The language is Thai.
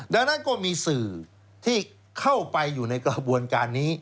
ดังนั้นก็มีสื่อที่เข้าไปอยู่ในกระบวนการนี้